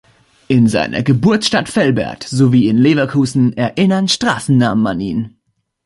In seiner Geburtsstadt Velbert sowie in Leverkusen erinnern Straßennamen an ihn.